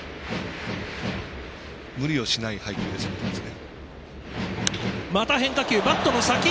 無理をしない配球ですね。